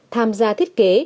tham gia thiết kế